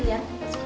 di tinggi diri yang